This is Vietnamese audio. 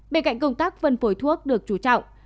bên cạnh công tác phân phối thuốc được chú trọng